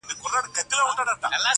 خزانې د سردارانو يې وهلې؛